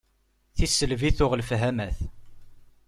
Tiselbi tuγ lefhamat.